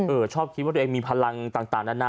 ชอบคิดว่าตัวเองมีพลังต่างนานา